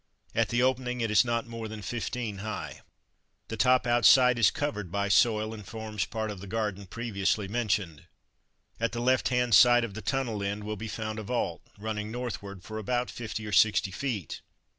At the opening it is not more than 15 high. The top outside is covered by soil, and forms part of the garden previously mentioned. At the left hand side of the tunnel end will be found a vault, running northward for about fifty or sixty feet.